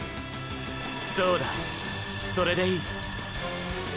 そうだそれでいい。